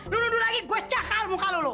lu nuduh lagi gua cakal muka lu lu